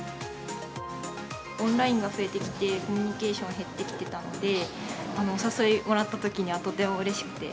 オンラインが増えてきて、コミュニケーション減ってきてたので、お誘いもらったときにはとてもうれしくて。